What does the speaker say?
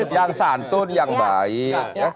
yang santun yang baik